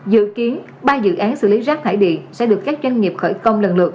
dự kiến ba dự án xử lý rác thải điện sẽ được các doanh nghiệp khởi công lần lượt